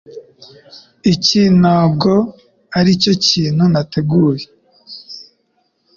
Iki ntabwo aricyo kintu nateguye.